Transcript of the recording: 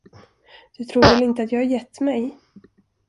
Du tror väl inte att jag har gett mig?